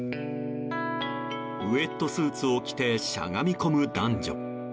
ウェットスーツを着てしゃがみ込む男女。